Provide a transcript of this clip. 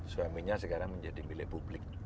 suaminya sekarang menjadi milik publik